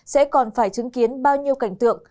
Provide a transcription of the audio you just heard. sẽ còn phải chứng kiến bao nhiêu cảnh tượng